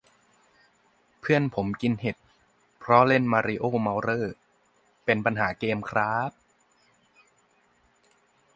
เพื่อนผมกินเห็ด เพราะเล่นมาริโอ้ เมาเร่อ เป็นปัญหาเกมคร้าบ~